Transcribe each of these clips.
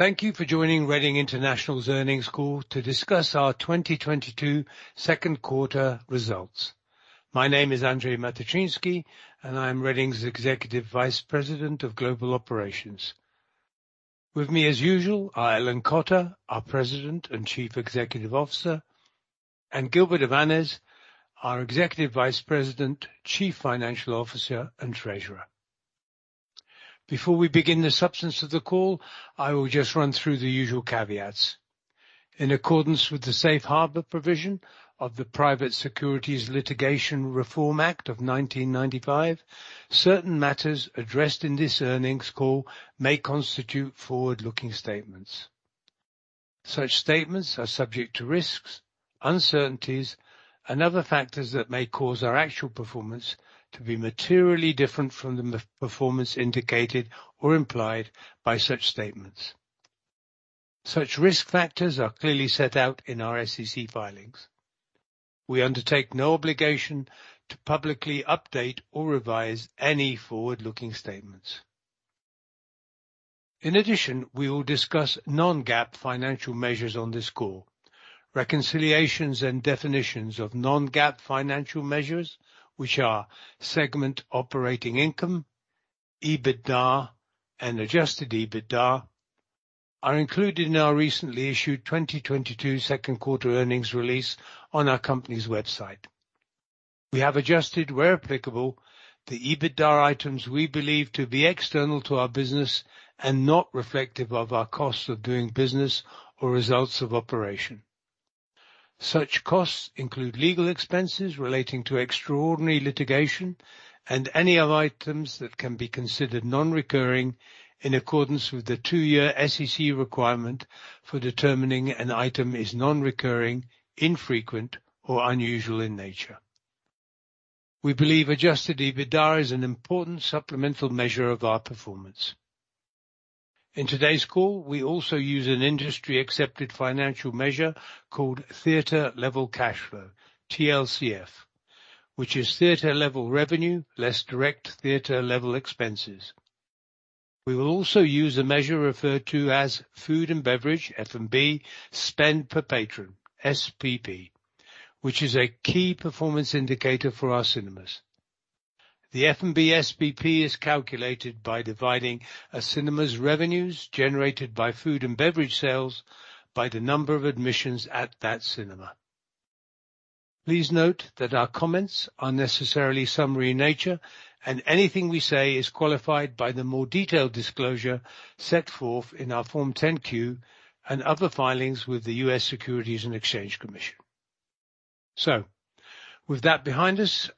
Thank you for joining Reading International's earnings call to discuss our 2022 second quarter results. My name is Andrzej Matyczynski, and I am Reading's Executive Vice President of Global Operations. With me as usual are Ellen Cotter, our President and Chief Executive Officer, and Gilbert Avanes, our Executive Vice President, Chief Financial Officer, and Treasurer. Before we begin the substance of the call, I will just run through the usual caveats. In accordance with the safe harbor provision of the Private Securities Litigation Reform Act of 1995, certain matters addressed in this earnings call may constitute forward-looking statements. Such statements are subject to risks, uncertainties, and other factors that may cause our actual performance to be materially different from the performance indicated or implied by such statements. Such risk factors are clearly set out in our SEC filings. We undertake no obligation to publicly update or revise any forward-looking statements. In addition, we will discuss non-GAAP financial measures on this call. Reconciliations and definitions of non-GAAP financial measures, which are segment operating income, EBITDA, and adjusted EBITDA, are included in our recently issued 2022 second quarter earnings release on our company's website. We have adjusted, where applicable, the EBITDA items we believe to be external to our business and not reflective of our costs of doing business or results of operation. Such costs include legal expenses relating to extraordinary litigation and any other items that can be considered non-recurring in accordance with the two-year SEC requirement for determining an item is non-recurring, infrequent, or unusual in nature. We believe adjusted EBITDA is an important supplemental measure of our performance. In today's call, we also use an industry-accepted financial measure called theater level cash flow, TLCF, which is theater level revenue less direct theater level expenses. We will also use a measure referred to as food and beverage, F&B, spend per patron, SPP, which is a key performance indicator for our cinemas. The F&B SPP is calculated by dividing a cinema's revenues generated by food and beverage sales by the number of admissions at that cinema. Please note that our comments are necessarily summary in nature, and anything we say is qualified by the more detailed disclosure set forth in our Form 10-Q and other filings with the U.S. Securities and Exchange Commission. With that behind us,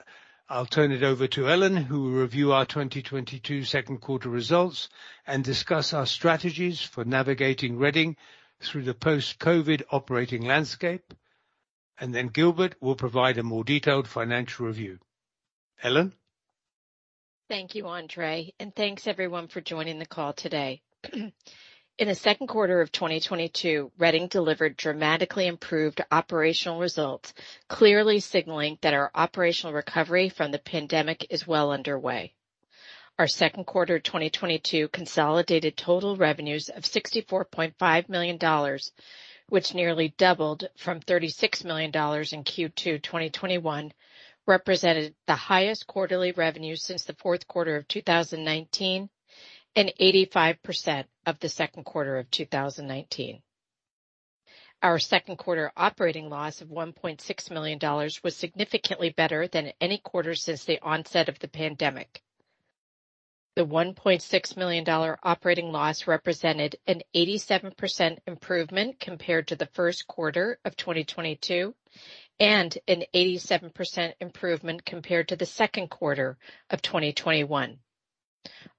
I'll turn it over to Ellen, who will review our 2022 second quarter results and discuss our strategies for navigating Reading through the post-COVID operating landscape. Gilbert will provide a more detailed financial review. Ellen. Thank you, Andrzej. Thanks everyone for joining the call today. In the second quarter of 2022, Reading delivered dramatically improved operational results, clearly signaling that our operational recovery from the pandemic is well underway. Our second quarter 2022 consolidated total revenues of $64.5 million, which nearly doubled from $36 million in Q2 2021, represented the highest quarterly revenue since the fourth quarter of 2019 and 85% of the second quarter of 2019. Our second quarter operating loss of $1.6 million was significantly better than any quarter since the onset of the pandemic. The $1.6 million operating loss represented an 87% improvement compared to the first quarter of 2022 and an 87% improvement compared to the second quarter of 2021.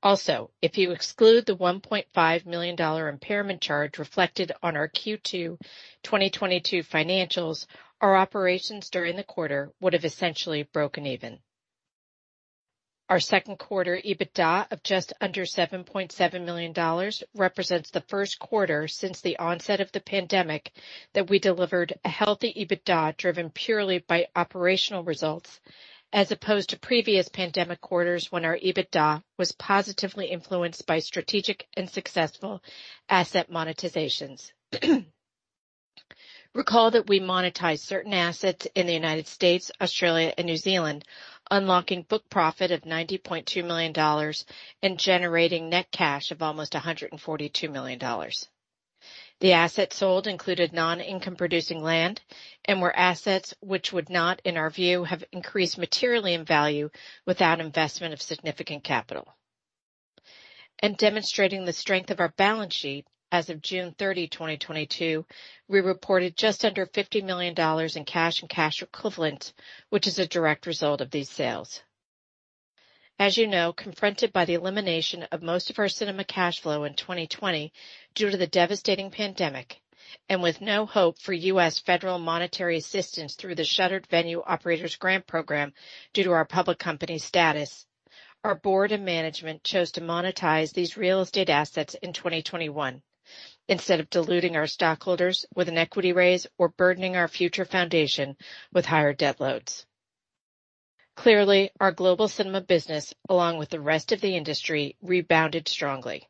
Also, if you exclude the $1.5 million impairment charge reflected on our Q2 2022 financials, our operations during the quarter would have essentially broken even. Our second quarter EBITDA of just under $7.7 million represents the first quarter since the onset of the pandemic that we delivered a healthy EBITDA driven purely by operational results, as opposed to previous pandemic quarters when our EBITDA was positively influenced by strategic and successful asset monetizations. Recall that we monetized certain assets in the United States, Australia, and New Zealand, unlocking book profit of $90.2 million and generating net cash of almost $142 million. The assets sold included non-income producing land and were assets which would not, in our view, have increased materially in value without investment of significant capital. Demonstrating the strength of our balance sheet as of June 30, 2022, we reported just under $50 million in cash and cash equivalents, which is a direct result of these sales. As you know, confronted by the elimination of most of our cinema cash flow in 2020 due to the devastating pandemic, and with no hope for U.S. federal monetary assistance through the Shuttered Venue Operators Grant Program due to our public company status, our board and management chose to monetize these real estate assets in 2021 instead of diluting our stockholders with an equity raise or burdening our future foundation with higher debt loads. Clearly, our global cinema business, along with the rest of the industry, rebounded strongly.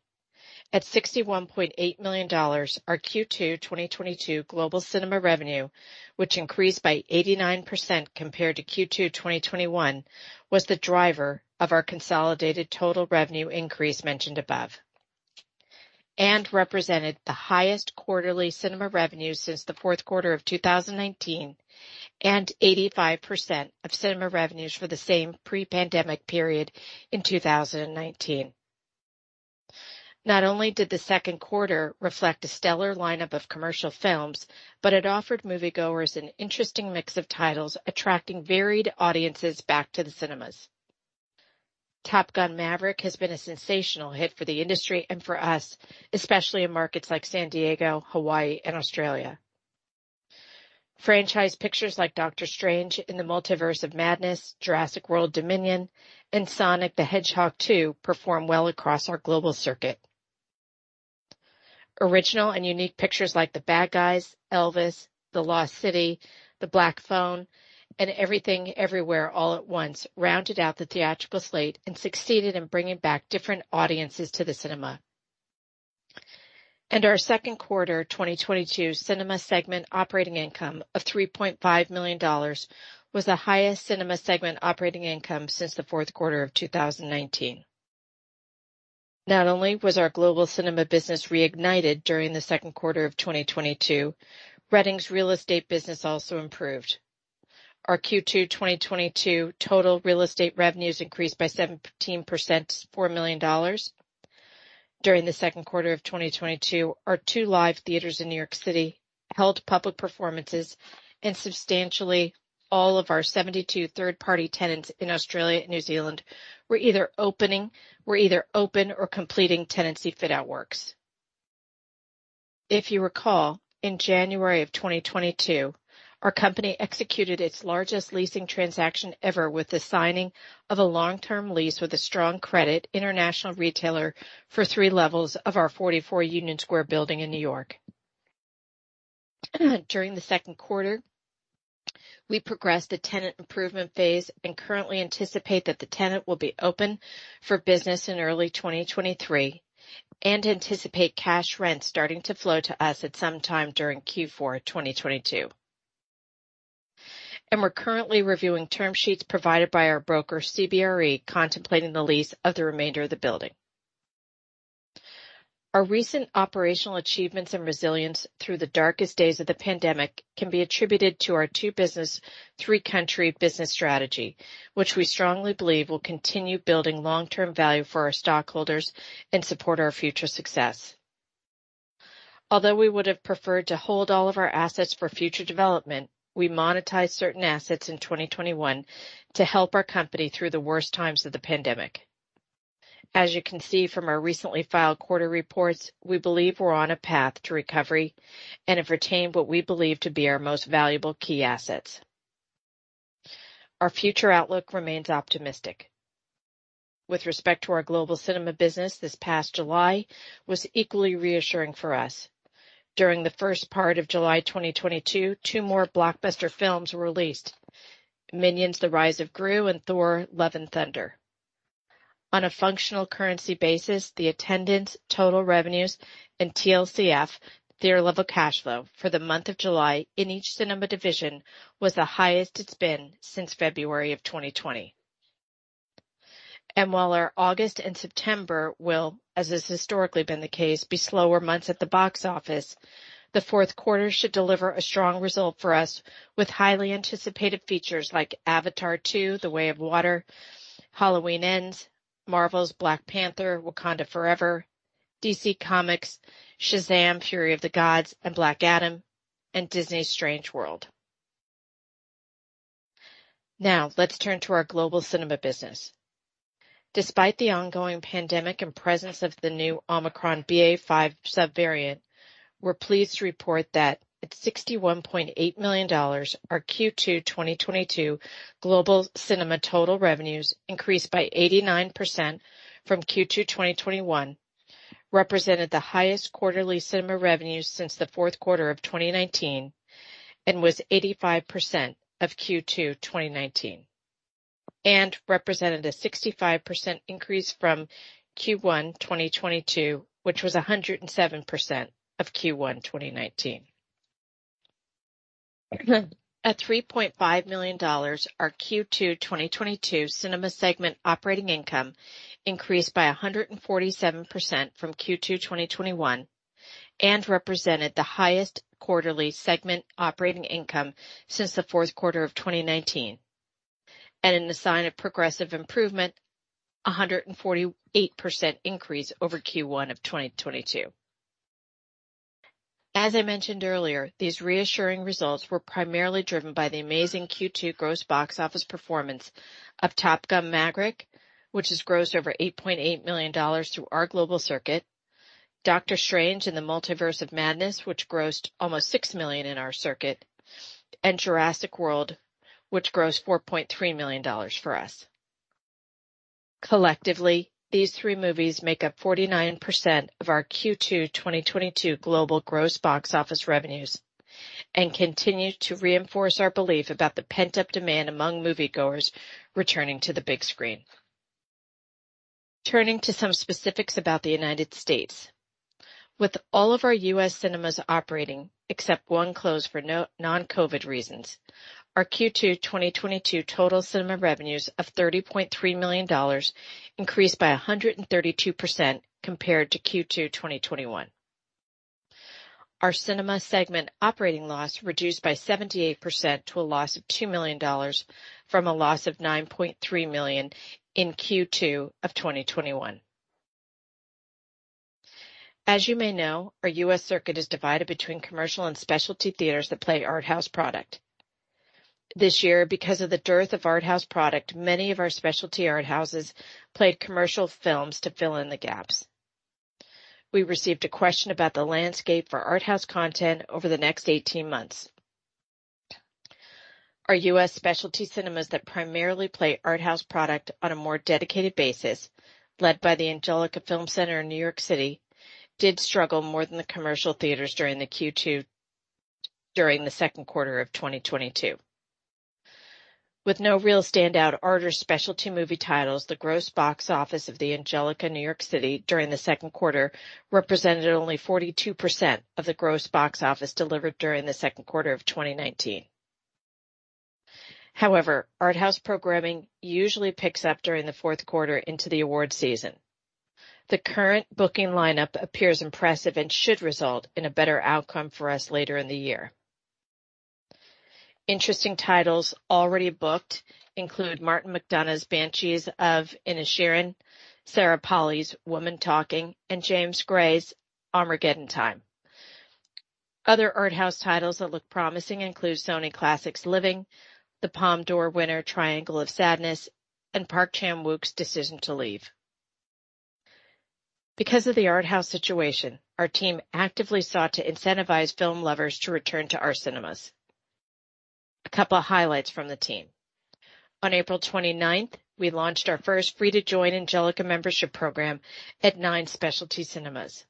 At $61.8 million, our Q2 2022 global cinema revenue, which increased by 89% compared to Q2 2021, was the driver of our consolidated total revenue increase mentioned above and represented the highest quarterly cinema revenue since the fourth quarter of 2019 and 85% of cinema revenues for the same pre-pandemic period in 2019. Not only did the second quarter reflect a stellar lineup of commercial films, but it offered moviegoers an interesting mix of titles attracting varied audiences back to the cinemas. Top Gun: Maverick has been a sensational hit for the industry and for us, especially in markets like San Diego, Hawaii and Australia. Franchise pictures like Doctor Strange in the Multiverse of Madness, Jurassic World Dominion, and Sonic the Hedgehog 2 perform well across our global circuit. Original and unique pictures like The Bad Guys, Elvis, The Lost City, The Black Phone and Everything Everywhere All at Once rounded out the theatrical slate and succeeded in bringing back different audiences to the cinema. Our second quarter 2022 cinema segment operating income of $3.5 million was the highest cinema segment operating income since the fourth quarter of 2019. Not only was our global cinema business reignited during the second quarter of 2022, Reading's real estate business also improved. Our Q2 2022 total real estate revenues increased by 17% to $4 million. During the second quarter of 2022, our two live theaters in New York City held public performances and substantially all of our 72 third-party tenants in Australia and New Zealand were either open or completing tenancy fit-out works. If you recall, in January 2022, our company executed its largest leasing transaction ever with the signing of a long-term lease with a strong credit international retailer for three levels of our 44 Union Square building in New York. During the second quarter, we progressed the tenant improvement phase and currently anticipate that the tenant will be open for business in early 2023 and anticipate cash rent starting to flow to us at some time during Q4 2022. We're currently reviewing term sheets provided by our broker, CBRE, contemplating the lease of the remainder of the building. Our recent operational achievements and resilience through the darkest days of the pandemic can be attributed to our two business, three country business strategy, which we strongly believe will continue building long-term value for our stockholders and support our future success. Although we would have preferred to hold all of our assets for future development, we monetized certain assets in 2021 to help our company through the worst times of the pandemic. As you can see from our recently filed quarterly reports, we believe we're on a path to recovery and have retained what we believe to be our most valuable key assets. Our future outlook remains optimistic. With respect to our global cinema business, this past July was equally reassuring for us. During the first part of July 2022, two more blockbuster films were released, Minions: The Rise of Gru and Thor: Love and Thunder. On a functional currency basis, the attendance, total revenues and TLCF, theater level cash flow, for the month of July in each cinema division was the highest it's been since February of 2020. While our August and September will, as has historically been the case, be slower months at the box office, the fourth quarter should deliver a strong result for us with highly anticipated features like Avatar: The Way of Water, Halloween Ends, Marvel's Black Panther: Wakanda Forever, DC Comics' Shazam! Fury of the Gods, and Black Adam, and Disney's Strange World. Now let's turn to our global cinema business. Despite the ongoing pandemic and presence of the new Omicron BA.5 subvariant, we're pleased to report that at $61.8 million, our Q2 2022 global cinema total revenues increased by 89% from Q2 2021, represented the highest quarterly cinema revenue since the fourth quarter of 2019, and was 85% of Q2 2019, and represented a 65% increase from Q1 2022, which was 107% of Q1 2019. At $3.5 million, our Q2 2022 cinema segment operating income increased by 147% from Q2 2021 and represented the highest quarterly segment operating income since the fourth quarter of 2019. In the sign of progressive improvement, 148% increase over Q1 of 2022. As I mentioned earlier, these reassuring results were primarily driven by the amazing Q2 gross box office performance of Top Gun: Maverick, which has grossed over $8.8 million through our global circuit. Doctor Strange in the Multiverse of Madness, which grossed almost $6 million in our circuit, and Jurassic World Dominion, which grossed $4.3 million for us. Collectively, these three movies make up 49% of our Q2 2022 global gross box office revenues and continue to reinforce our belief about the pent-up demand among moviegoers returning to the big screen. Turning to some specifics about the United States. With all of our U.S. cinemas operating except one closed for non-COVID reasons, our Q2 2022 total cinema revenues of $30.3 million increased by 132% compared to Q2 2021. Our cinema segment operating loss reduced by 78% to a loss of $2 million from a loss of $9.3 million in Q2 of 2021. As you may know, our U.S. circuit is divided between commercial and specialty theaters that play art house product. This year, because of the dearth of art house product, many of our specialty art houses played commercial films to fill in the gaps. We received a question about the landscape for art house content over the next 18 months. Our U.S. specialty cinemas that primarily play art house product on a more dedicated basis, led by the Angelika Film Center in New York City, did struggle more than the commercial theaters during the second quarter of 2022. With no real standout art or specialty movie titles, the gross box office of the Angelika in New York City during the second quarter represented only 42% of the gross box office delivered during the second quarter of 2019. However, art house programming usually picks up during the fourth quarter into the award season. The current booking lineup appears impressive and should result in a better outcome for us later in the year. Interesting titles already booked include Martin McDonagh's The Banshees of Inisherin, Sarah Polley's Women Talking, and James Gray's Armageddon Time. Other art house titles that look promising include Sony Pictures Classics' Living, the Palme d'Or winner Triangle of Sadness, and Park Chan-wook's Decision to Leave. Because of the art house situation, our team actively sought to incentivize film lovers to return to our cinemas. A couple of highlights from the team. On April 29, 2022, we launched our first free-to-join Angelika membership program at 9 specialty cinemas.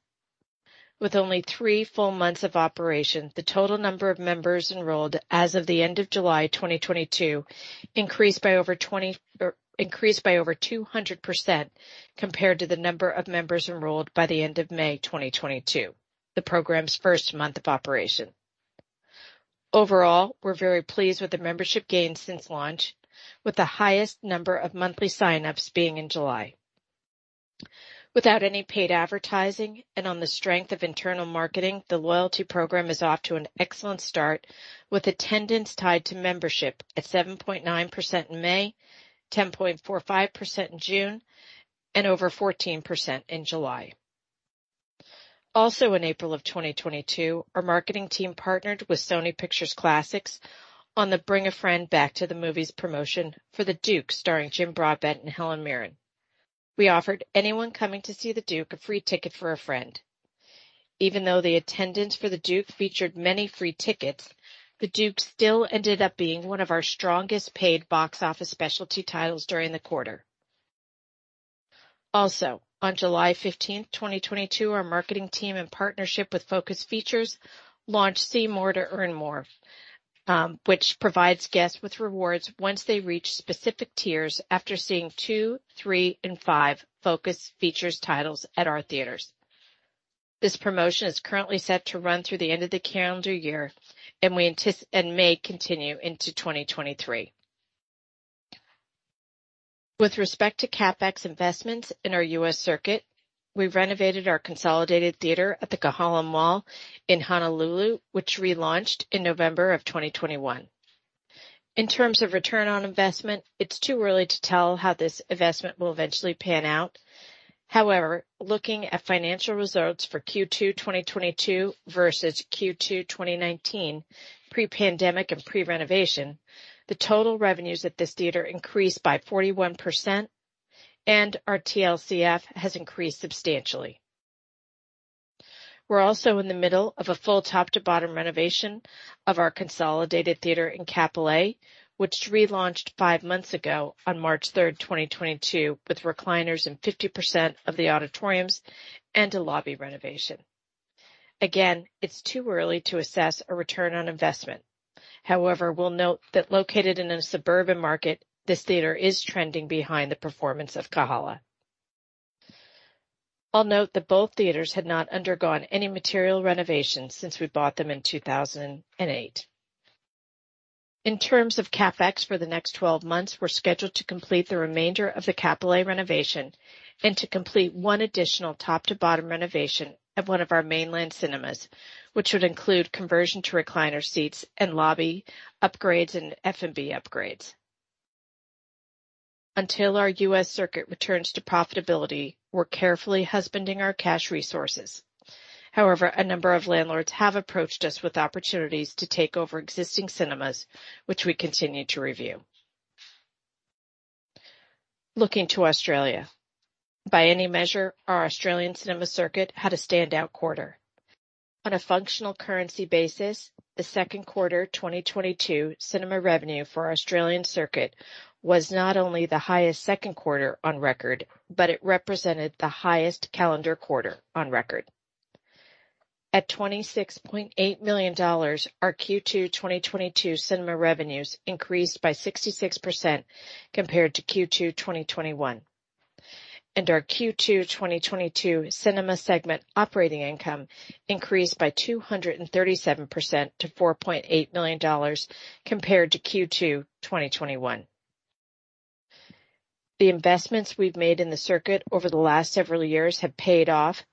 With only 3 full months of operation, the total number of members enrolled as of the end of July 2022 increased by over 200% compared to the number of members enrolled by the end of May 2022, the program's first month of operation. Overall, we're very pleased with the membership gains since launch, with the highest number of monthly sign-ups being in July. Without any paid advertising and on the strength of internal marketing, the loyalty program is off to an excellent start, with attendance tied to membership at 7.9% in May, 10.45% in June, and over 14% in July. Also in April of 2022, our marketing team partnered with Sony Pictures Classics on the Bring a Friend Back to the Movies promotion for The Duke, starring Jim Broadbent and Helen Mirren. We offered anyone coming to see The Duke a free ticket for a friend. Even though the attendance for The Duke featured many free tickets, The Duke still ended up being one of our strongest paid box office specialty titles during the quarter. Also, on July 15, 2022, our marketing team, in partnership with Focus Features, launched See More to Earn More, which provides guests with rewards once they reach specific tiers after seeing 2, 3, and 5 Focus Features titles at our theaters. This promotion is currently set to run through the end of the calendar year and may continue into 2023. With respect to CapEx investments in our U.S. circuit, we renovated our consolidated theater at the Kahala Mall in Honolulu, which relaunched in November 2021. In terms of return on investment, it's too early to tell how this investment will eventually pan out. However, looking at financial results for Q2 2022 versus Q2 2019, pre-pandemic and pre-renovation, the total revenues at this theater increased by 41%, and our TLCF has increased substantially. We're also in the middle of a full top-to-bottom renovation of our consolidated theater in Kapolei, which relaunched five months ago on March 3, 2022, with recliners in 50% of the auditoriums and a lobby renovation. Again, it's too early to assess a return on investment. However, we'll note that located in a suburban market, this theater is trending behind the performance of Kahala. I'll note that both theaters had not undergone any material renovations since we bought them in 2008. In terms of CapEx for the next 12 months, we're scheduled to complete the remainder of the Kapolei renovation and to complete one additional top-to-bottom renovation at one of our mainland cinemas, which would include conversion to recliner seats and lobby upgrades and F&B upgrades. Until our U.S. circuit returns to profitability, we're carefully husbanding our cash resources. However, a number of landlords have approached us with opportunities to take over existing cinemas, which we continue to review. Looking to Australia. By any measure, our Australian cinema circuit had a standout quarter. On a functional currency basis, the second quarter 2022 cinema revenue for our Australian circuit was not only the highest second quarter on record, but it represented the highest calendar quarter on record. At $26.8 million, our Q2 2022 cinema revenues increased by 66% compared to Q2 2021. Our Q2 2022 cinema segment operating income increased by 237% to $4.8 million compared to Q2 2021. The investments we've made in the circuit over the last several years have paid off,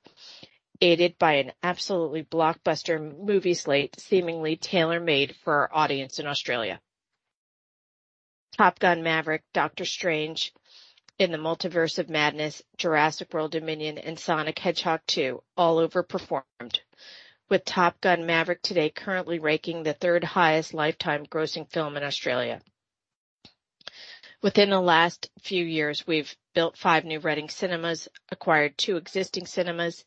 aided by an absolutely blockbuster movie slate seemingly tailor-made for our audience in Australia. Top Gun: Maverick, Doctor Strange in the Multiverse of Madness, Jurassic World Dominion, and Sonic the Hedgehog 2 all overperformed, with Top Gun: Maverick today currently ranking as the third highest lifetime grossing film in Australia. Within the last few years, we've built five new Reading Cinemas, acquired two existing cinemas,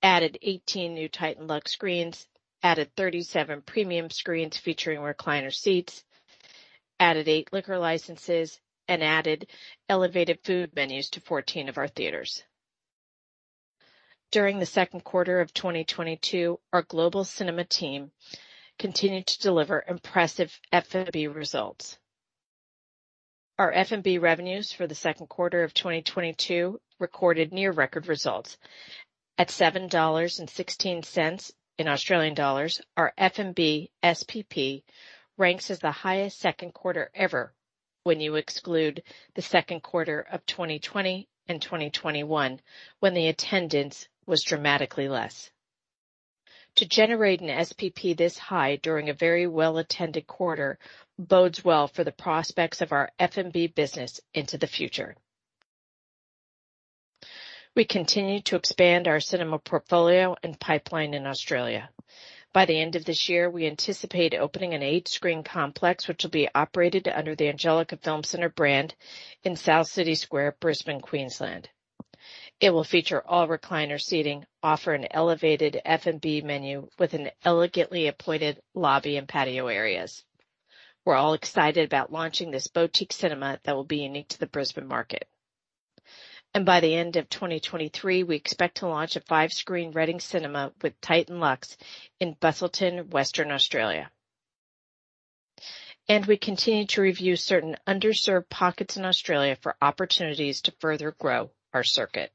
added 18 new Titan LUXE screens, added 37 premium screens featuring recliner seats, added 8 liquor licenses, and added elevated food menus to 14 of our theaters. During the second quarter of 2022, our global cinema team continued to deliver impressive F&B results. Our F&B revenues for the second quarter of 2022 recorded near record results. At 7.16 dollars in Australian dollars, our F&B SPP ranks as the highest second quarter ever when you exclude the second quarter of 2020 and 2021 when the attendance was dramatically less. To generate an SPP this high during a very well-attended quarter bodes well for the prospects of our F&B business into the future. We continue to expand our cinema portfolio and pipeline in Australia. By the end of this year, we anticipate opening an eight-screen complex, which will be operated under the Angelika Film Center brand in South City Square, Brisbane, Queensland. It will feature all recliner seating, offer an elevated F&B menu with an elegantly appointed lobby and patio areas. We're all excited about launching this boutique cinema that will be unique to the Brisbane market. By the end of 2023, we expect to launch a five-screen Reading Cinemas with Titan LUXE in Busselton, Western Australia. We continue to review certain underserved pockets in Australia for opportunities to further grow our circuit.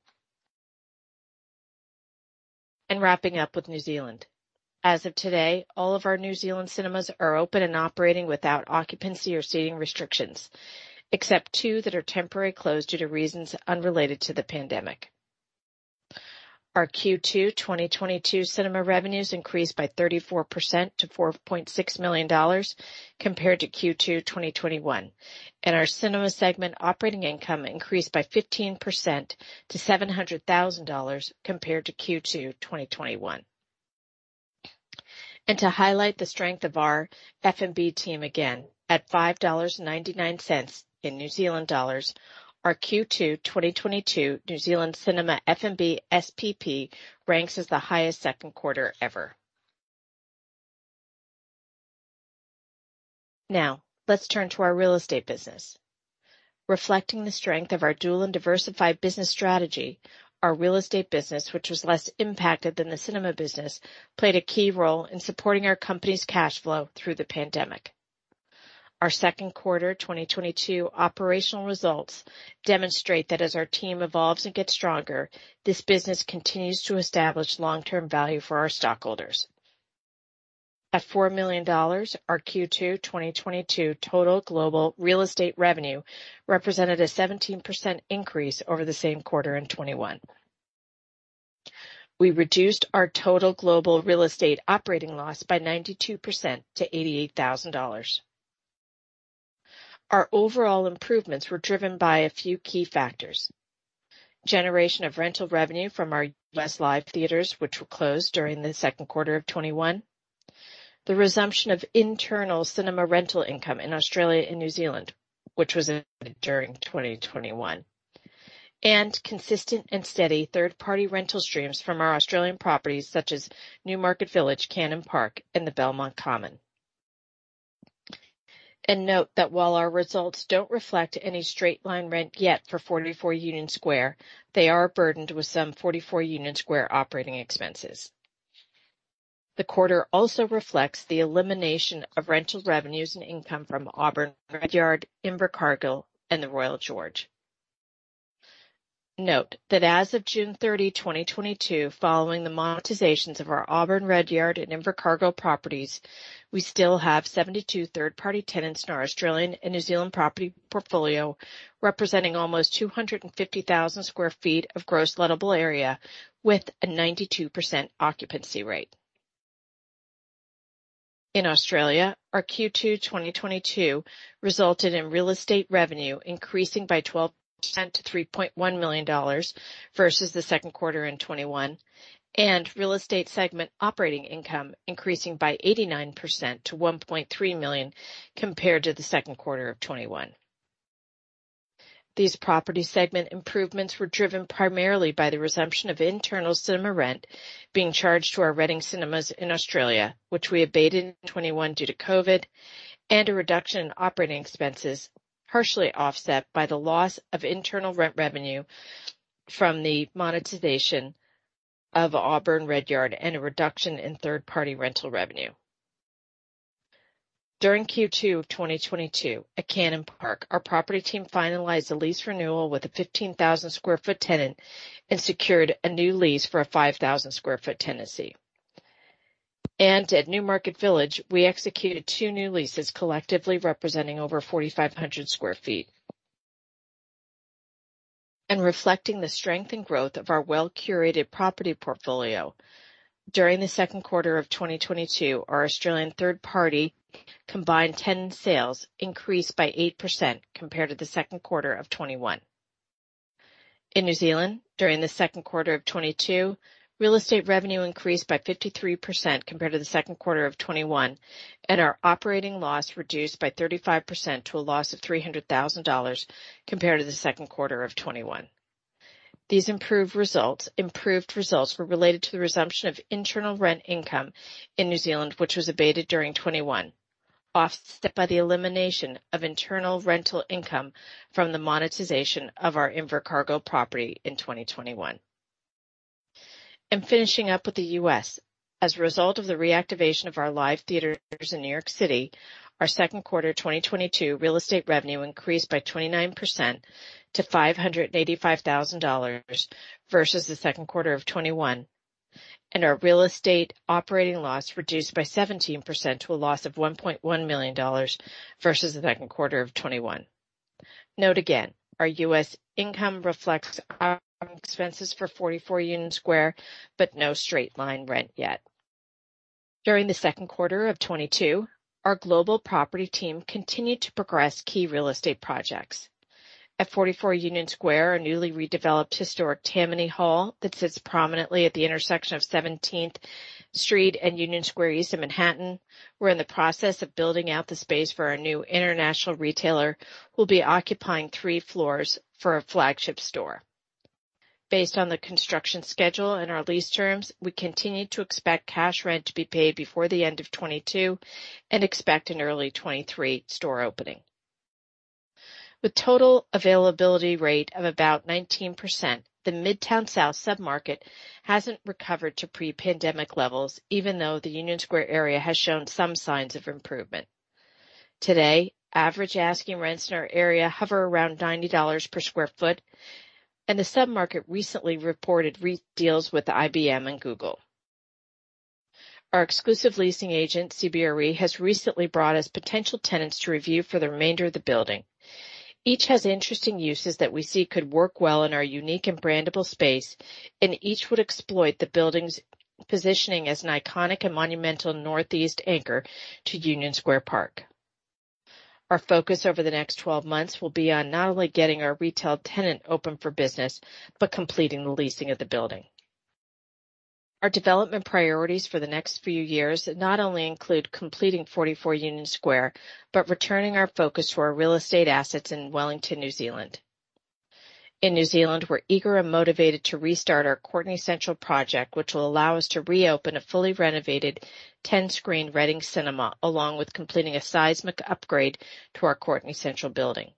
Wrapping up with New Zealand. As of today, all of our New Zealand cinemas are open and operating without occupancy or seating restrictions, except two that are temporarily closed due to reasons unrelated to the pandemic. Our Q2 2022 cinema revenues increased by 34% to $4.6 million compared to Q2 2021, and our cinema segment operating income increased by 15% to $700,000 compared to Q2 2021. To highlight the strength of our F&B team again, at 5.99 dollars in New Zealand dollars, our Q2 2022 New Zealand Cinema F&B SPP ranks as the highest second quarter ever. Now let's turn to our real estate business. Reflecting the strength of our dual and diversified business strategy, our real estate business, which was less impacted than the cinema business, played a key role in supporting our company's cash flow through the pandemic. Our second quarter 2022 operational results demonstrate that as our team evolves and gets stronger, this business continues to establish long-term value for our stockholders. At $4 million, our Q2 2022 total global real estate revenue represented a 17% increase over the same quarter in 2021. We reduced our total global real estate operating loss by 92% to $88,000. Our overall improvements were driven by a few key factors. Generation of rental revenue from our West End live theaters, which were closed during the second quarter of 2021. The resumption of internal cinema rental income in Australia and New Zealand, which was during 2021. Consistent and steady third-party rental streams from our Australian properties such as Newmarket Village, Cannon Park, and the Belmont Common. Note that while our results don't reflect any straight-line rent yet for 44 Union Square, they are burdened with some 44 Union Square operating expenses. The quarter also reflects the elimination of rental revenues and income from Auburn Redyard, Invercargill, and the Royal George. Note that as of June 30, 2022, following the monetizations of our Auburn Redyard and Invercargill properties, we still have 72 third-party tenants in our Australian and New Zealand property portfolio, representing almost 250,000 sq ft of gross lettable area with a 92% occupancy rate. In Australia, our Q2 2022 resulted in real estate revenue increasing by 12% to $3.1 million versus the second quarter in 2021, and real estate segment operating income increasing by 89% to $1.3 million compared to the second quarter of 2021. These property segment improvements were driven primarily by the resumption of internal cinema rent being charged to our Reading Cinemas in Australia, which we abated in 2021 due to COVID, and a reduction in operating expenses partially offset by the loss of internal rent revenue from the monetization of Auburn Redyard and a reduction in third-party rental revenue. During Q2 of 2022 at Cannon Park, our property team finalized the lease renewal with a 15,000 sq ft tenant and secured a new lease for a 5,000 sq ft tenancy. At Newmarket Village, we executed two new leases, collectively representing over 4,500 sq ft. Reflecting the strength and growth of our well-curated property portfolio. During the second quarter of 2022, our Australian third-party combined tenant sales increased by 8% compared to the second quarter of 2021. In New Zealand, during the second quarter of 2022, real estate revenue increased by 53% compared to the second quarter of 2021, and our operating loss reduced by 35% to a loss of $300,000 compared to the second quarter of 2021. These improved results were related to the resumption of internal rent income in New Zealand, which was abated during 2021, offset by the elimination of internal rental income from the monetization of our Invercargill property in 2021. Finishing up with the U.S. As a result of the reactivation of our live theaters in New York City, our second quarter 2022 real estate revenue increased by 29% to $585,000 versus the second quarter of 2021, and our real estate operating loss reduced by 17% to a loss of $1.1 million versus the second quarter of 2021. Note again, our U.S. income reflects operating expenses for 44 Union Square, but no straight-line rent yet. During the second quarter of 2022, our global property team continued to progress key real estate projects. At 44 Union Square, a newly redeveloped historic Tammany Hall that sits prominently at the intersection of 17th Street and Union Square East in Manhattan. We're in the process of building out the space for our new international retailer, who will be occupying three floors for a flagship store. Based on the construction schedule and our lease terms, we continue to expect cash rent to be paid before the end of 2022 and expect an early 2023 store opening. With total availability rate of about 19%, the Midtown South sub-market hasn't recovered to pre-pandemic levels, even though the Union Square area has shown some signs of improvement. Today, average asking rents in our area hover around $90 per sq ft, and the sub-market recently reported re-deals with IBM and Google. Our exclusive leasing agent, CBRE, has recently brought us potential tenants to review for the remainder of the building. Each has interesting uses that we see could work well in our unique and brandable space, and each would exploit the building's positioning as an iconic and monumental Northeast anchor to Union Square Park. Our focus over the next 12 months will be on not only getting our retail tenant open for business, but completing the leasing of the building. Our development priorities for the next few years not only include completing 44 Union Square, but returning our focus to our real estate assets in Wellington, New Zealand. In New Zealand, we're eager and motivated to restart our Courtenay Central project, which will allow us to reopen a fully renovated 10-screen Reading Cinema, along with completing a seismic upgrade to our Courtenay Central building.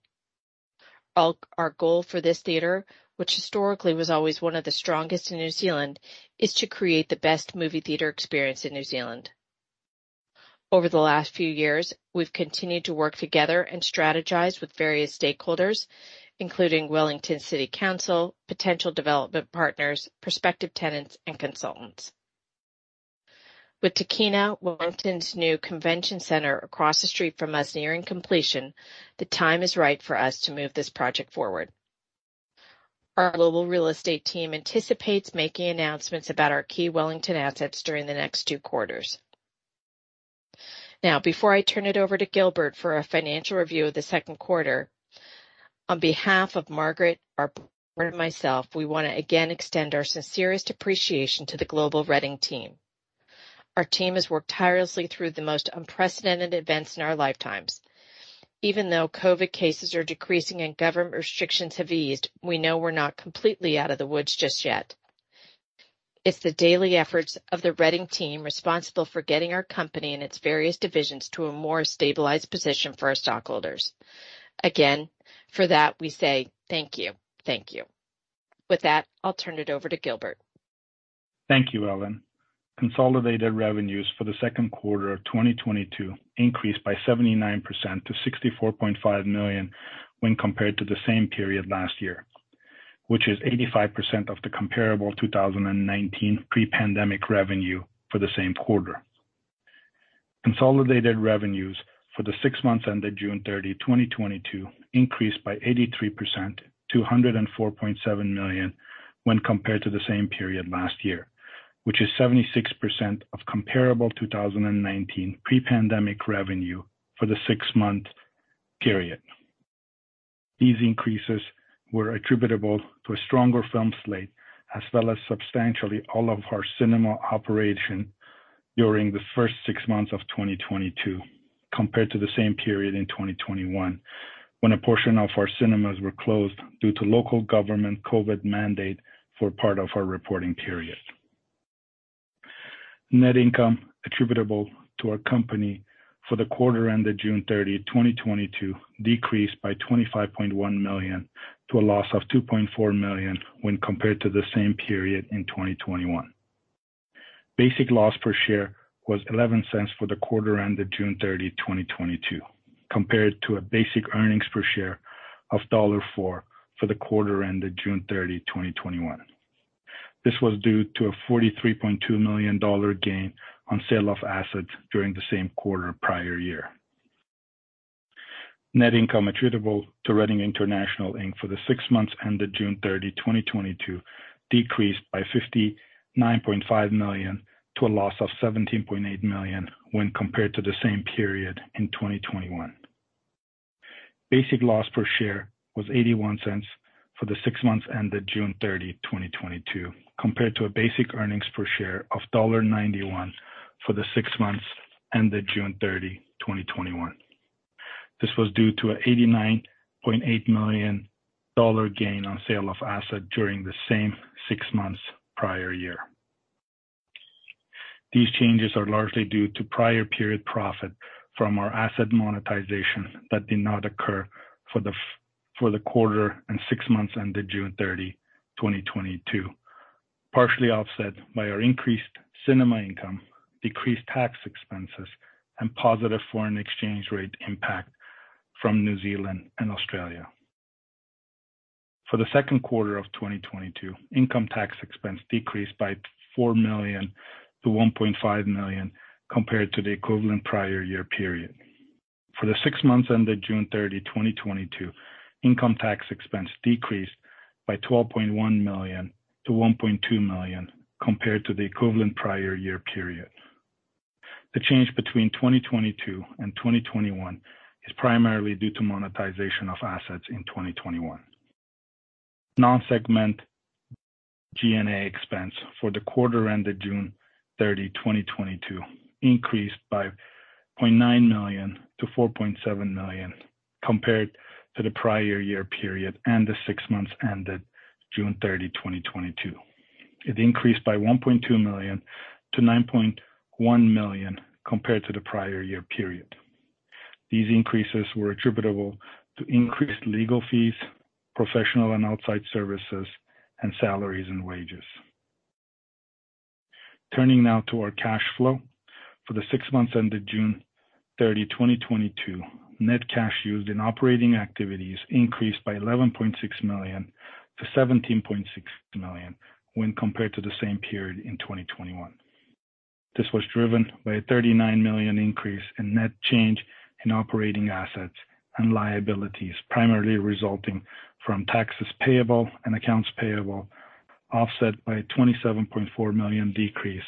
Our goal for this theater, which historically was always one of the strongest in New Zealand, is to create the best movie theater experience in New Zealand. Over the last few years, we've continued to work together and strategize with various stakeholders, including Wellington City Council, potential development partners, prospective tenants, and consultants. With Tākina, Wellington's new convention center across the street from us nearing completion, the time is right for us to move this project forward. Our global real estate team anticipates making announcements about our key Wellington assets during the next two quarters. Now, before I turn it over to Gilbert for a financial review of the second quarter, on behalf of Margaret, our board, and myself, we want to again extend our sincerest appreciation to the global Reading team. Our team has worked tirelessly through the most unprecedented events in our lifetimes. Even though COVID cases are decreasing and government restrictions have eased, we know we're not completely out of the woods just yet. It's the daily efforts of the Reading team responsible for getting our company and its various divisions to a more stabilized position for our stockholders. Again, for that, we say thank you. Thank you. With that, I'll turn it over to Gilbert. Thank you, Ellen. Consolidated revenues for the second quarter of 2022 increased by 79% to $64.5 million when compared to the same period last year, which is 85% of the comparable 2019 pre-pandemic revenue for the same quarter. Consolidated revenues for the six months ended June 30, 2022 increased by 83% to $104.7 million when compared to the same period last year, which is 76% of comparable 2019 pre-pandemic revenue for the six-month period. These increases were attributable to a stronger film slate as well as substantially all of our cinema operations during the first six months of 2022 compared to the same period in 2021, when a portion of our cinemas were closed due to local government COVID-19 mandates for part of our reporting period. Net income attributable to our company for the quarter ended June 30, 2022 decreased by $25.1 million to a loss of $2.4 million when compared to the same period in 2021. Basic loss per share was $0.11 for the quarter ended June 30, 2022, compared to a basic earnings per share of $1.04 for the quarter ended June 30, 2021. This was due to a $43.2 million gain on sale of assets during the same quarter prior year. Net income attributable to Reading International, Inc. for the six months ended June 30, 2022 decreased by $59.5 million to a loss of $17.8 million when compared to the same period in 2021. Basic loss per share was $0.81 for the six months ended June 30, 2022, compared to a basic earnings per share of $1.91 for the six months ended June 30, 2021. This was due to $89.8 million gain on sale of assets during the same six months prior year. These changes are largely due to prior period profit from our asset monetization that did not occur for the quarter and six months ended June 30, 2022. Partially offset by our increased cinema income, decreased tax expenses, and positive foreign exchange rate impact from New Zealand and Australia. For the second quarter of 2022, income tax expense decreased by $4 million to $1.5 million compared to the equivalent prior year period. For the six months ended June 30, 2022, income tax expense decreased by $12.1 million to $1.2 million compared to the equivalent prior year period. The change between 2022 and 2021 is primarily due to monetization of assets in 2021. Non-segment G&A expense for the quarter ended June 30, 2022 increased by $0.9 million to $4.7 million compared to the prior year period and the six months ended June 30, 2022. It increased by $1.2 million to $9.1 million compared to the prior year period. These increases were attributable to increased legal fees, professional and outside services, and salaries and wages. Turning now to our cash flow. For the six months ended June 30, 2022, net cash used in operating activities increased by $11.6 million to $17.6 million when compared to the same period in 2021. This was driven by a $39 million increase in net change in operating assets and liabilities, primarily resulting from taxes payable and accounts payable, offset by a $27.4 million decrease,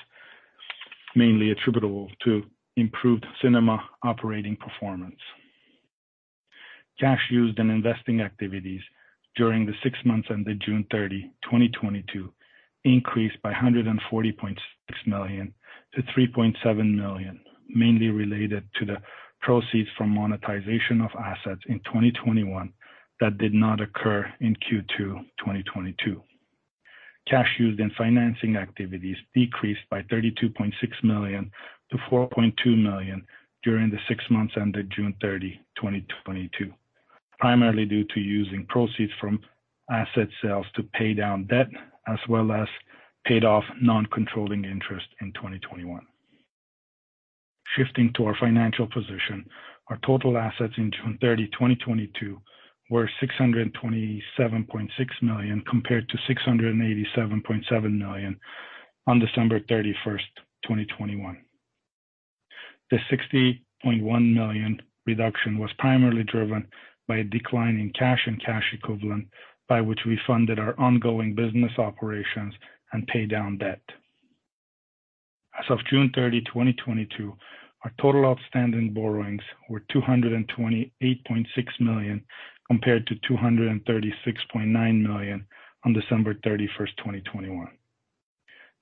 mainly attributable to improved cinema operating performance. Cash used in investing activities during the six months ended June 30, 2022 increased by $140.6 million to $3.7 million, mainly related to the proceeds from monetization of assets in 2021 that did not occur in Q2 2022. Cash used in financing activities decreased by $32.6 million to $4.2 million during the six months ended June 30, 2022, primarily due to using proceeds from asset sales to pay down debt as well as paid off non-controlling interests in 2021. Shifting to our financial position. Our total assets in June 30, 2022 were $627.6 million, compared to $687.7 million on December 31, 2021. The $60.1 million reduction was primarily driven by a decline in cash and cash equivalents by which we funded our ongoing business operations and pay down debt. As of June 30, 2022, our total outstanding borrowings were $228.6 million, compared to $236.9 million on December 31, 2021.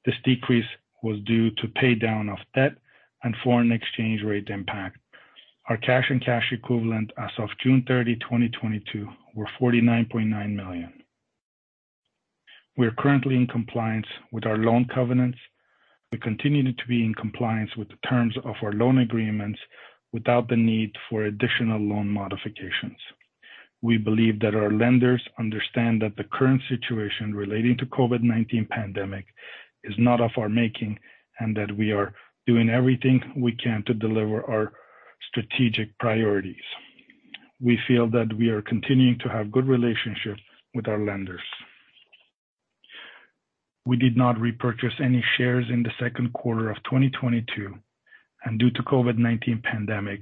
This decrease was due to pay down of debt and foreign exchange rate impact. Our cash and cash equivalents as of June 30, 2022 were $49.9 million. We are currently in compliance with our loan covenants. We continue to be in compliance with the terms of our loan agreements without the need for additional loan modifications. We believe that our lenders understand that the current situation relating to COVID-19 pandemic is not of our making, and that we are doing everything we can to deliver our strategic priorities. We feel that we are continuing to have good relationships with our lenders. We did not repurchase any shares in the second quarter of 2022. Due to COVID-19 pandemic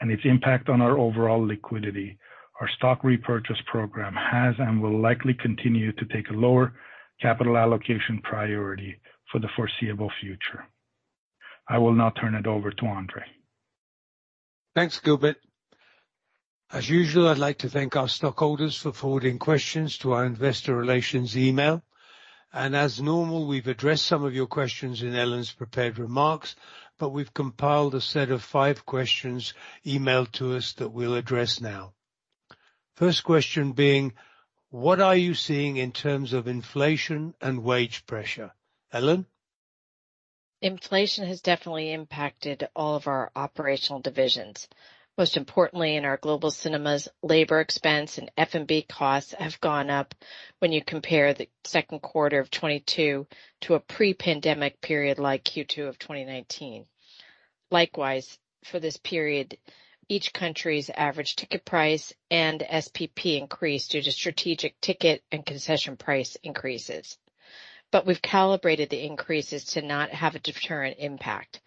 and its impact on our overall liquidity, our stock repurchase program has and will likely continue to take a lower capital allocation priority for the foreseeable future. I will now turn it over to Andrzej. Thanks, Gilbert. As usual, I'd like to thank our stockholders for forwarding questions to our investor relations email. As normal, we've addressed some of your questions in Ellen's prepared remarks, but we've compiled a set of five questions emailed to us that we'll address now. First question being, What are you seeing in terms of inflation and wage pressure? Ellen. Inflation has definitely impacted all of our operational divisions. Most importantly, in our global cinemas, labor expense and F&B costs have gone up when you compare the second quarter of 2022 to a pre-pandemic period like Q2 of 2019. Likewise, for this period, each country's average ticket price and SPP increased due to strategic ticket and concession price increases. We've calibrated the increases to not have a deterrent impact.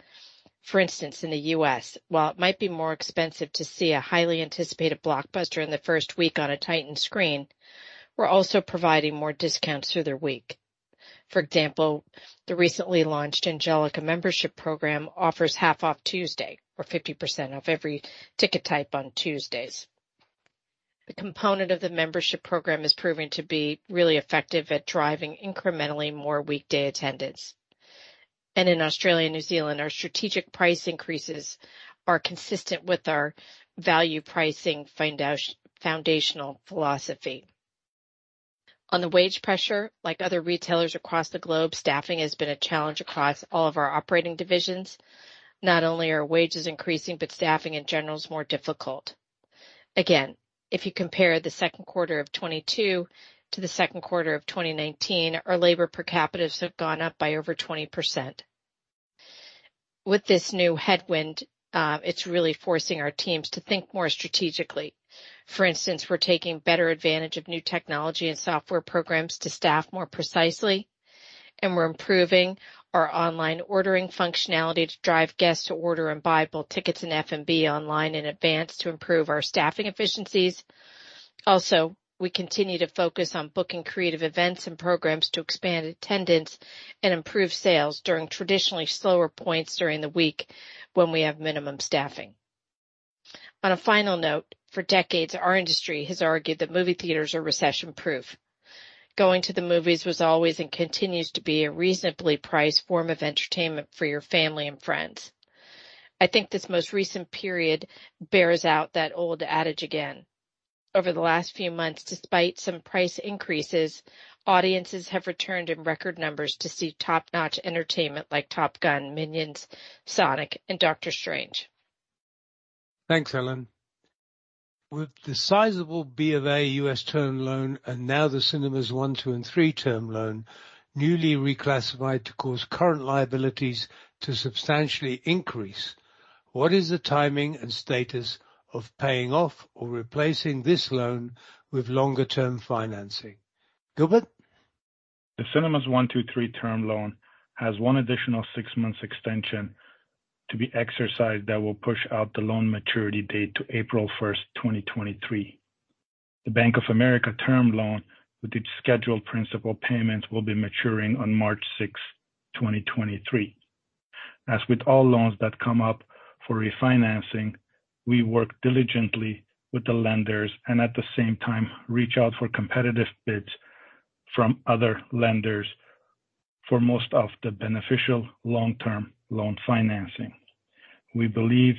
For instance, in the U.S., while it might be more expensive to see a highly anticipated blockbuster in the first week on a tightened screen, we're also providing more discounts through the week. For example, the recently launched Angelika membership program offers half off Tuesday or 50% off every ticket type on Tuesdays. The component of the membership program is proving to be really effective at driving incrementally more weekday attendance. In Australia and New Zealand, our strategic price increases are consistent with our value pricing foundational philosophy. On the wage pressure, like other retailers across the globe, staffing has been a challenge across all of our operating divisions. Not only are wages increasing, but staffing in general is more difficult. Again, if you compare the second quarter of 2022 to the second quarter of 2019, our labor per capita have gone up by over 20%. With this new headwind, it's really forcing our teams to think more strategically. For instance, we're taking better advantage of new technology and software programs to staff more precisely, and we're improving our online ordering functionality to drive guests to order and buy both tickets and F&B online in advance to improve our staffing efficiencies. We continue to focus on booking creative events and programs to expand attendance and improve sales during traditionally slower points during the week when we have minimum staffing. On a final note, for decades, our industry has argued that movie theaters are recession-proof. Going to the movies was always and continues to be a reasonably priced form of entertainment for your family and friends. I think this most recent period bears out that old adage again. Over the last few months, despite some price increases, audiences have returned in record numbers to see top-notch entertainment like Top Gun, Minions, Sonic, and Doctor Strange. Thanks, Ellen. With the sizable Bank of America U.S. term loan and now the Cinemas 1, 2, 3 Term Loan newly reclassified to cause current liabilities to substantially increase, what is the timing and status of paying off or replacing this loan with longer-term financing? Gilbert. The Cinemas One, Two, Three Term Loan has one additional six months extension to be exercised that will push out the loan maturity date to April 1, 2023. The Bank of America term loan with its scheduled principal payments will be maturing on March 6, 2023. As with all loans that come up for refinancing, we work diligently with the lenders and at the same time, reach out for competitive bids from other lenders for most of the beneficial long-term loan financing. We believe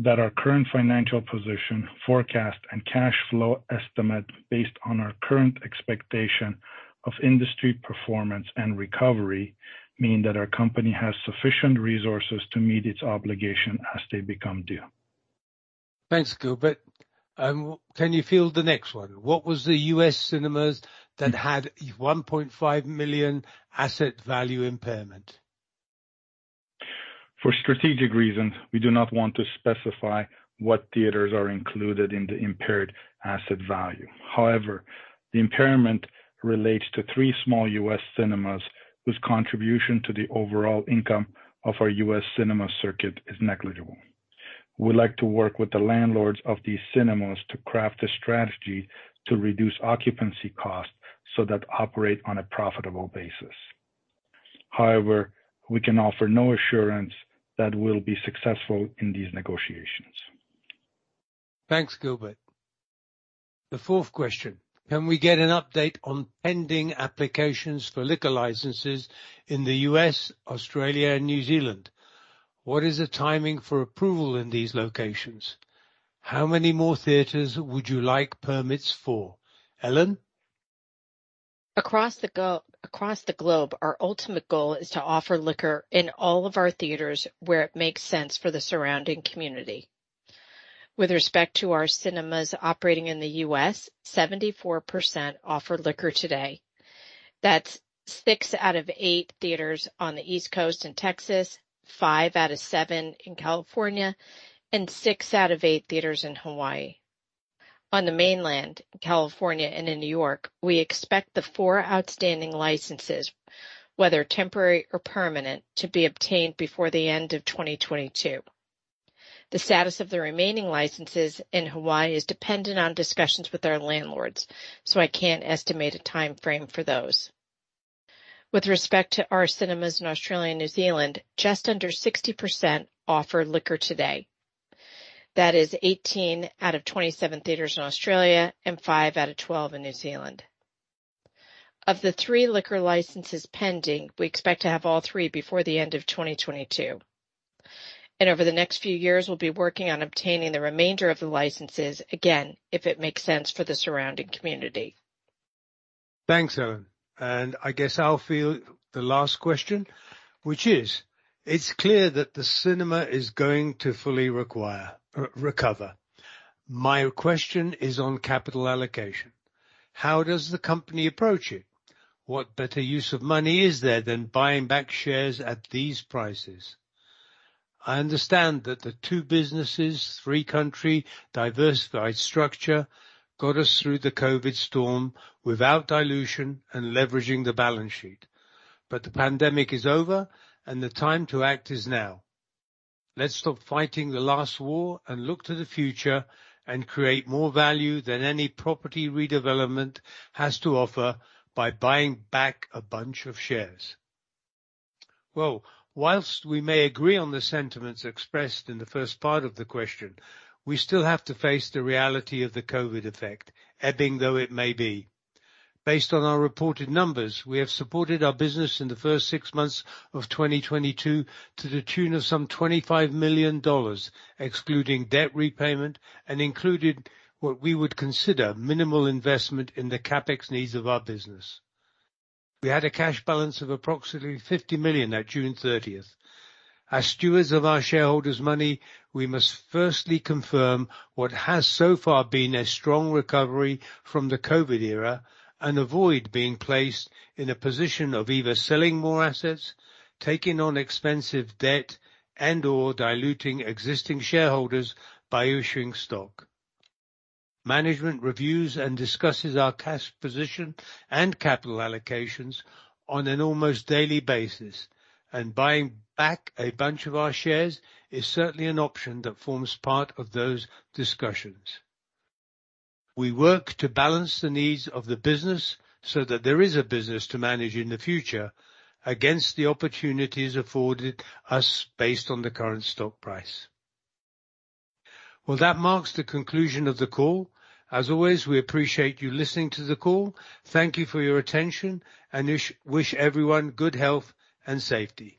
that our current financial position, forecast, and cash flow estimate based on our current expectation of industry performance and recovery mean that our company has sufficient resources to meet its obligation as they become due. Thanks, Gilbert. Can you field the next one? What was the U.S. cinemas that had $1.5 million asset value impairment? For strategic reasons, we do not want to specify what theaters are included in the impaired asset value. However, the impairment relates to three small U.S. cinemas whose contribution to the overall income of our U.S. cinema circuit is negligible. We like to work with the landlords of these cinemas to craft a strategy to reduce occupancy costs so they operate on a profitable basis. However, we can offer no assurance that we'll be successful in these negotiations. Thanks, Gilbert. The fourth question: Can we get an update on pending applications for liquor licenses in the U.S., Australia, and New Zealand? What is the timing for approval in these locations? How many more theaters would you like permits for? Ellen. Across the globe, our ultimate goal is to offer liquor in all of our theaters where it makes sense for the surrounding community. With respect to our cinemas operating in the U.S., 74% offer liquor today. That's 6 out of 8 theaters on the East Coast and Texas, 5 out of 7 in California, and 6 out of 8 theaters in Hawaii. On the mainland, California and in New York, we expect the 4 outstanding licenses, whether temporary or permanent, to be obtained before the end of 2022. The status of the remaining licenses in Hawaii is dependent on discussions with our landlords, so I can't estimate a timeframe for those. With respect to our cinemas in Australia and New Zealand, just under 60% offer liquor today. That is 18 out of 27 theaters in Australia and 5 out of 12 in New Zealand. Of the three liquor licenses pending, we expect to have all three before the end of 2022. Over the next few years, we'll be working on obtaining the remainder of the licenses, again, if it makes sense for the surrounding community. Thanks, Ellen. I guess I'll field the last question, which is: It's clear that the cinema is going to fully recover. My question is on capital allocation. How does the company approach it? What better use of money is there than buying back shares at these prices? I understand that the two businesses, three-country diversified structure got us through the COVID storm without dilution and leveraging the balance sheet. But the pandemic is over and the time to act is now. Let's stop fighting the last war and look to the future and create more value than any property redevelopment has to offer by buying back a bunch of shares. Well, while we may agree on the sentiments expressed in the first part of the question, we still have to face the reality of the COVID effect, ebbing though it may be. Based on our reported numbers, we have supported our business in the first six months of 2022 to the tune of some $25 million, excluding debt repayment and included what we would consider minimal investment in the CapEx needs of our business. We had a cash balance of approximately $50 million at June 30th. As stewards of our shareholders' money, we must firstly confirm what has so far been a strong recovery from the COVID era and avoid being placed in a position of either selling more assets, taking on expensive debt, and/or diluting existing shareholders by issuing stock. Management reviews and discusses our cash position and capital allocations on an almost daily basis, and buying back a bunch of our shares is certainly an option that forms part of those discussions. We work to balance the needs of the business so that there is a business to manage in the future against the opportunities afforded us based on the current stock price. Well, that marks the conclusion of the call. As always, we appreciate you listening to the call. Thank you for your attention, and wish everyone good health and safety.